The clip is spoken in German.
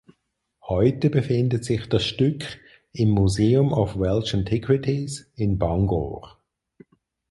Heute befindet sich das Stück im Museum of Welsh Antiquities in Bangor.